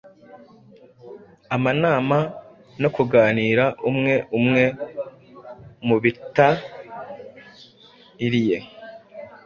amanama no kuganira umwe umwe mubitairiye